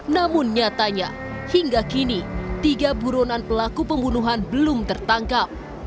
namun nyatanya hingga kini tiga buronan pelaku pembunuhan belum tertangkap